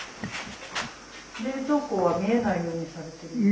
冷蔵庫は見えないようにされてるんですか？